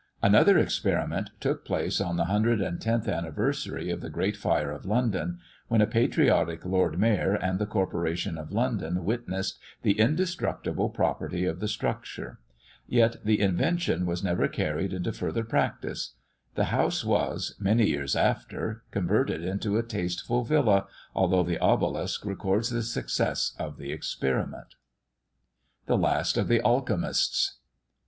Another experiment took place on the 110th anniversary of the great fire of London, when a patriotic lord mayor and the corporation of London witnessed the indestructible property of the structure. Yet, the invention was never carried into further practice. The house was, many years after, converted into a tasteful villa, although the obelisk records the success of the experiment. THE LAST OF THE ALCHEMISTS.